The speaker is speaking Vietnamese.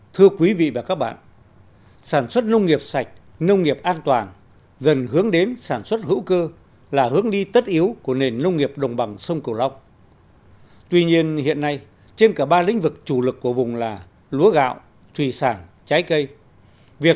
thưa quý vị và các bạn sản xuất nông nghiệp sạch nông nghiệp an toàn dần hướng đến sản xuất hữu cơ là hướng đi tất yếu của nền nông nghiệp đồng bằng sông cửu long